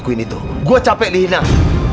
menjawab hati yang